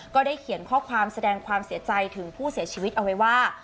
ก็ได้เขียนข้อความแสดงความเสียใจถึงผู้เสียชีวิตเอาไว้ว่า